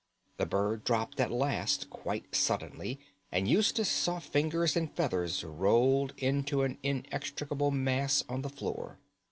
The bird dropped at last quite suddenly, and Eustace saw fingers and feathers rolled into an inextricable mass on the floor.